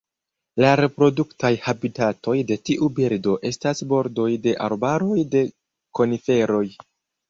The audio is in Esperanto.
La reproduktaj habitatoj de tiu birdo estas bordoj de arbaroj de koniferoj.